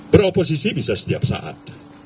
beroposisi bisa setiap saat